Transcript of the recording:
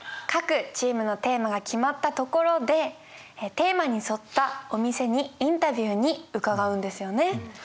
各チームのテーマが決まったところでテーマに沿ったお店にインタビューにうかがうんですよね。